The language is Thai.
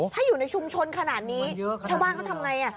ถ้าอยู่ในชุมชนขนาดนี้ชาวบ้านเขาทำไง